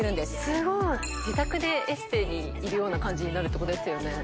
すごい自宅でエステにいるような感じになるってことですよね